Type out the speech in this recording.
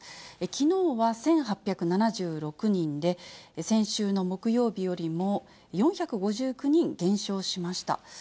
きのうは１８７６人で、先週の木曜日よりも４５９人減少しました。